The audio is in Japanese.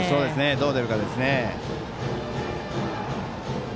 どう出るかですね。